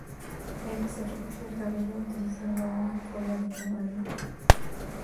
Ella se recoge el cabello utilizando una cola de caballo.